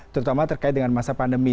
terutama terkait dengan masa pandemi